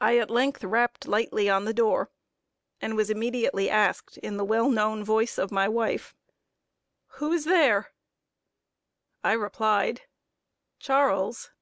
I at length rapped lightly on the door, and was immediately asked, in the well known voice of my wife, "Who is there?" I replied "Charles."